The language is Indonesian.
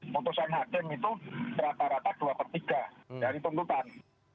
putusan hakim itu rata rata dua per tiga dari tuntutan